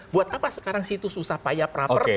buat apa sekarang situ susah payah praper